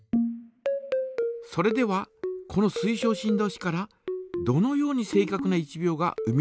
それではこの水晶振動子からどのように正かくな１秒が生み出されているのか。